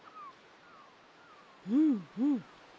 うんうん。